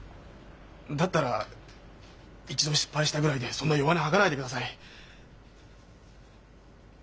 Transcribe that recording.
だったら一度失敗したぐらいでそんな弱音吐かないでください。